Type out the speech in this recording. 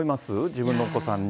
自分のお子さんに。